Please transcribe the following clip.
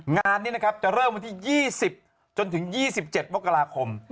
งานนี้นะครับจะเริ่มวันที่๒๐จนถึง๒๗มกราคม